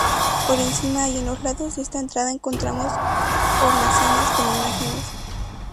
Por encima y en los lados de esta entrada, encontramos hornacinas con imágenes.